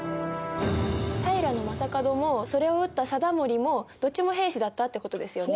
平将門もそれを討った貞盛もどっちも平氏だったってことですよね？